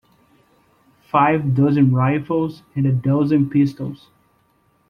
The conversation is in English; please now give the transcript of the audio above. Five dozen rifles and a dozen pistols.